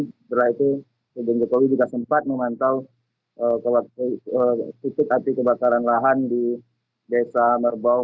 setelah itu presiden jokowi juga sempat memantau titik api kebakaran lahan di desa merbau